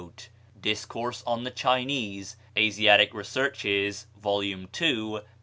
("Discourse on the Chinese; Asiatic Researches," vol. ii., p.